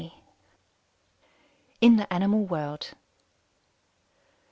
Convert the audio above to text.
IN THE ANIMAL WORLD.